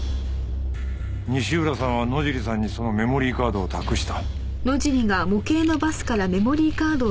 西浦さんは野尻さんにそのメモリーカードを託した。